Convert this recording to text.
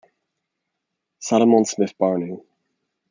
Salomon Smith Barney.